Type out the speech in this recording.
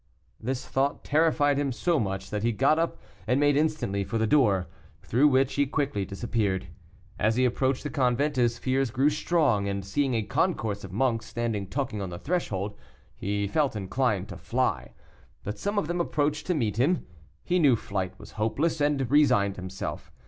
This thought terrified him so much that he got up and made instantly for the door, through which he quickly disappeared. As he approached the convent, his fears grew strong, and seeing a concourse of monks standing talking on the threshold, he felt inclined to fly. But some of them approached to meet him; he knew flight was hopeless, and resigned himself.